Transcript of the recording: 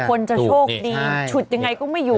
คนจะโชคดีฉุดยังไงก็ไม่อยู่